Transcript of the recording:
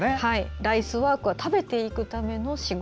ライスワークは食べていくための仕事。